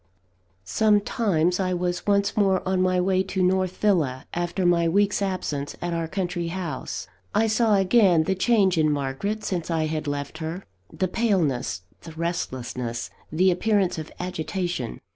Sometimes, I was once more on my way to North Villa, after my week's absence at our country house. I saw again the change in Margaret since I had left her the paleness, the restlessness, the appearance of agitation.